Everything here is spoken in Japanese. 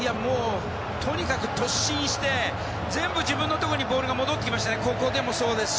とにかく突進して全部、自分のところにボールが戻ってきましたね。